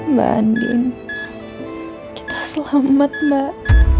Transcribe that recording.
mbak andien kita selamat mbak